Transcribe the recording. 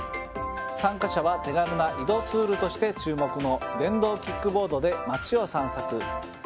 参加者は手軽な移動ツールとして注目の電動キックボードで街を散策。